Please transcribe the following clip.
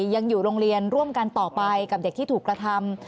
ยังอยู่โรงเรียนร่วมกันต่อไปกับเด็กที่ถูกกระทำ